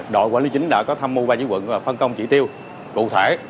đội quản lý chính đã có thăm mưu ba chiếc quận và phân công chỉ tiêu cụ thể